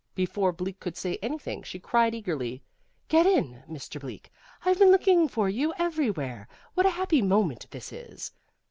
Before Bleak could say anything she cried eagerly, "Get in, Mr. Bleak! I've been looking for you everywhere. What a happy moment this is!"